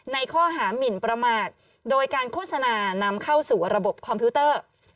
ในข้อหามินประมาทโดยการโฆษณานำเข้าสู่ระบบคอมพิวเตอร์